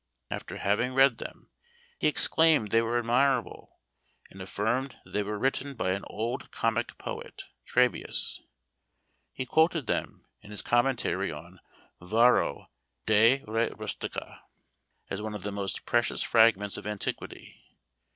After having read them, he exclaimed they were admirable, and affirmed that they were written by an old comic poet, Trabeus. He quoted them, in his commentary on Varro De Re Rusticâ, as one of the most precious fragments of antiquity.